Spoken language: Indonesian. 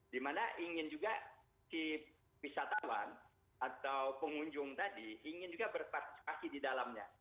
dimana ingin juga si wisatawan atau pengunjung tadi ingin juga berpartisipasi di dalamnya